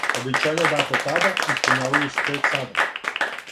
Обећања дата тада испуњавају се тек сада.